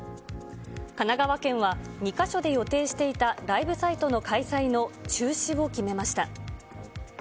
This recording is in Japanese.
神奈川県は、２か所で予定していたライブサイトの開催の中止を決めました。